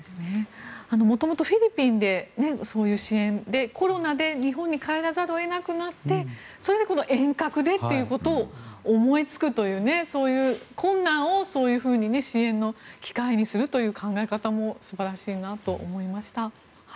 元々、フィリピンでそういう支援でコロナで日本に帰らざるを得なくなってそれで遠隔でということを思いつくという困難をそういうふうに支援の機会にするという考え方も素晴らしいなと思いました。